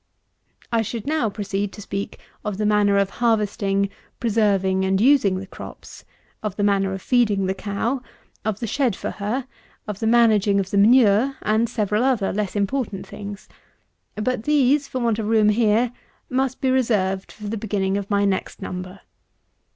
126. I should now proceed to speak of the manner of harvesting, preserving, and using the crops; of the manner of feeding the cow; of the shed for her; of the managing of the manure, and several other less important things; but these, for want of room here, must be reserved for the beginning of my next Number.